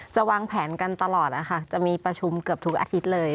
วางแผนกันตลอดนะคะจะมีประชุมเกือบทุกอาทิตย์เลย